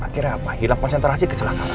akhirnya apa hilang konsentrasi kecelakaan